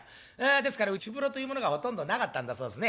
ですから内風呂というものがほとんどなかったんだそうですね。